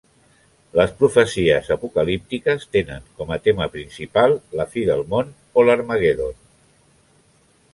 Les profecies apocalíptiques tenen com a tema principal la fi del món o l'Harmagedon.